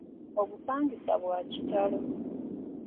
Obupangisa bwa kitalo.